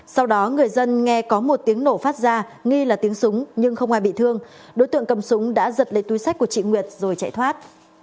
sau đó người dân nghe có một tiếng nổ phát ra nghi là tiếng súng nhưng không ai bị thương đối tượng cầm súng đã giật lấy túi sách của chị nguyệt rồi chạy thoát